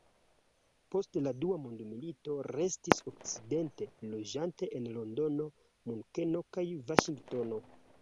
Post la dua mondmilito restis Okcidente, loĝante en Londono, Munkeno kaj Vaŝingtono.